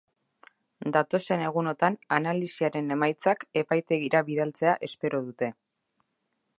Datozen egunotan analisiaren emaitzak epaitegira bidaltzea espero dute.